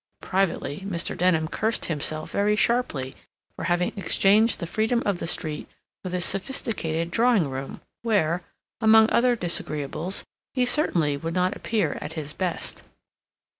Privately, Mr. Denham cursed himself very sharply for having exchanged the freedom of the street for this sophisticated drawing room, where, among other disagreeables, he certainly would not appear at his best.